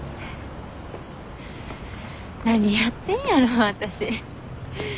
何やってんやろわたし。